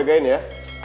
tunggu jagain ya